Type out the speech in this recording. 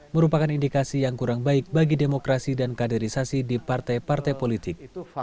merupakan indikasi yang kurang baik bagi demokrasi dan kaderisasi di partai partai politik